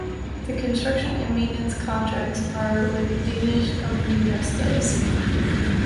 The construction and maintenance contracts are with Danish company Vestas.